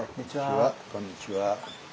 こんにちは。